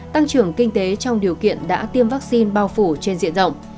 tăng trưởng kinh tế trong điều kiện đã tiêm vaccine bao phủ trên diện rộng